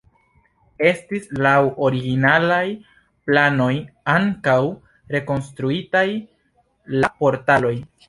Estis laŭ originalaj planoj ankaŭ rekonstruitaj la portaloj.